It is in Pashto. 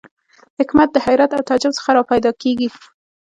حکمت د حیرت او تعجب څخه را پیدا کېږي.